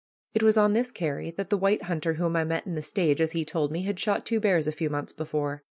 It was on this carry that the white hunter whom I met in the stage, as he told me, had shot two bears a few months before.